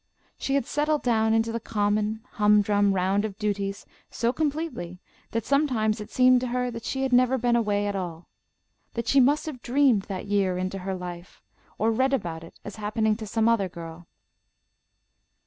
She had settled down into the common humdrum round of duties so completely that sometimes it seemed to her that she had never been away at all; that she must have dreamed that year into her life, or read about it as happening to some other girl.